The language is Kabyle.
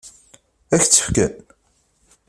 Ad k-tt-fken?